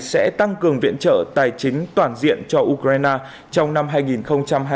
sẽ tăng cường viện trợ tài chính toàn diện cho ukraine trong năm hai nghìn hai mươi hai từ một bảy tỷ đô la mỹ lên hai tỷ đô la mỹ